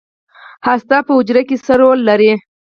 هسته په حجره کې څه رول لري؟